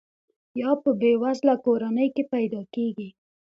یا په بې وزله کورنۍ کې پیدا کیږي.